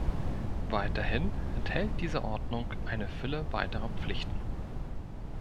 Weiterhin enthält diese Ordnung eine Fülle weiterer Pflichten.